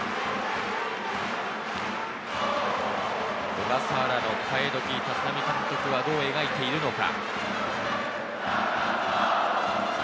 小笠原の代え時、立浪監督はどう描いているのか。